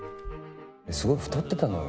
すごく太ってたのよ。